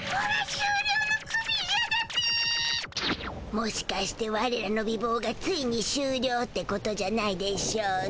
もしかしてワレらの美ぼうがついにしゅうりょうってことじゃないでしょうね。